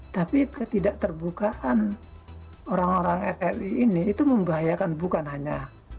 tapi ketidak terbukaan orang orang rri ini itu membahayakan bukan hanya